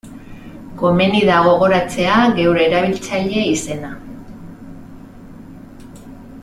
Komeni da gogoratzea geure erabiltzaile izena.